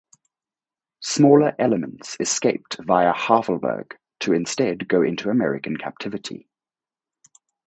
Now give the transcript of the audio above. Smaller elements escaped via Havelberg to instead go into American captivity.